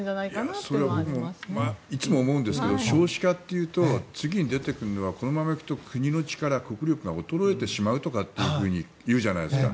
それは僕もいつも思うんですけど少子化というと次に出てくるのはこのままいくと国の力、国力が衰えてしまうとかっていうじゃないですか。